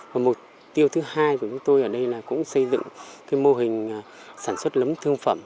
và mục tiêu thứ hai của chúng tôi ở đây là xây dựng mô hình sản xuất nấm thương phẩm